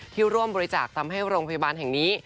ร่วมบริจาคทำให้โรงพยาบาลแห่งนี้